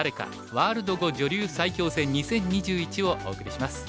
ワールド碁女流最強戦２０２１」をお送りします。